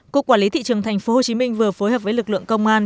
cục quản lý thị trường tp hcm vừa phối hợp với lực lượng công an